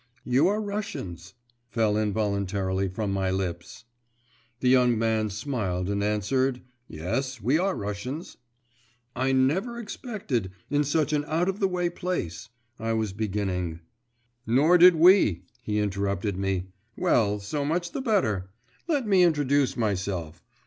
'You are Russians,' fell involuntarily from my lips. The young man smiled and answered 'Yes, we are Russians.' 'I never expected … in such an out of the way place,' I was beginning 'Nor did we,' he interrupted me. 'Well, so much the better. Let me introduce myself.